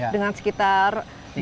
dengan sekitar tiga belas